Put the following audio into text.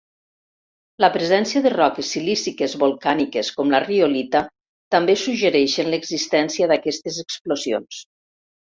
La presència de roques silíciques volcàniques com la riolita també suggereixen l'existència d'aquestes explosions.